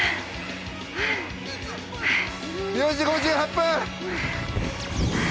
４時５８分！